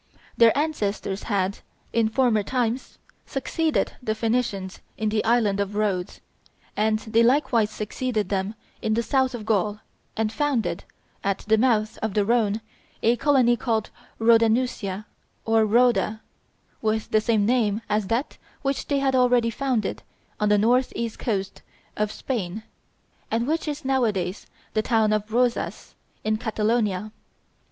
Their ancestors had, in former times, succeeded the Phoenicians in the island of Rhodes, and they likewise succeeded them in the south of Gaul, and founded, at the mouth of the Rhone, a colony called Rhodanusia or Rhoda, with the same name as that which they had already founded on the north east coast of Spain, and which is nowadays the town of Rosas, in Catalonia.